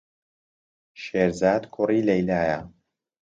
شێرزاد کوڕی لەیلایە.